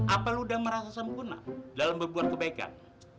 apa lu udah merasa sempurna dalam berbuat kebaikan